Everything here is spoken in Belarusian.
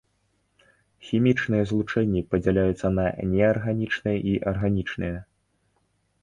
Хімічныя злучэнні падзяляюцца на неарганічныя і арганічныя.